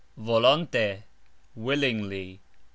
volonte : willingly.